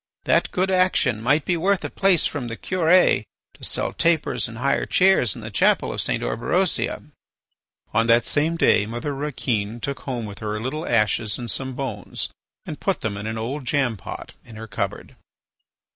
That good action might be worth a place from the Curé to sell tapers and hire chairs in the chapel of St. Orberosia." On that same day Mother Rouquin took home with her a little ashes and some bones, and put them in an old jam pot in her cupboard.